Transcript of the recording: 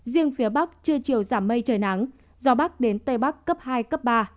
riêng phía bắc trưa chiều giảm mây trời nắng gió bắc đến tây bắc cấp hai cấp ba